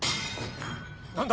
何だ！？